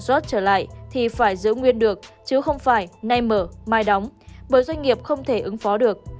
tổ chức sản xuất trở lại thì phải giữ nguyên được chứ không phải nay mở mai đóng bởi doanh nghiệp không thể ứng phó được